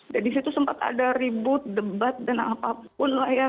dan disitu sempat ada ribut debat dan apapun lah ya